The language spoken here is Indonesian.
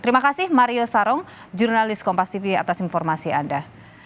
terima kasih mario sarung jurnalis kompas tv atas informasi anda